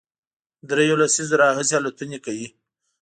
درېیو لسیزو راهیسې الوتنې کوي،